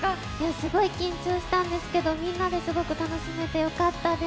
すごい緊張したんですけどみんなですごく楽しめてよかったです。